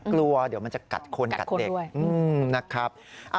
กลัวเดี๋ยวมันจะกัดคนกัดเด็กนะครับ